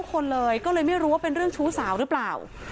คนเลยก็เลยไม่รู้ว่าเป็นเรื่องชู้สาวหรือเปล่า